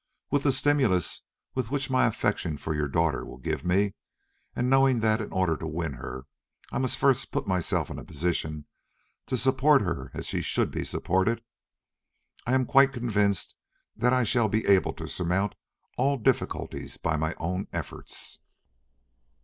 With the stimulus which my affection for your daughter will give me, and knowing that in order to win her I must first put myself in a position to support her as she should be supported, I am quite convinced that I shall be able to surmount all difficulties by my own efforts."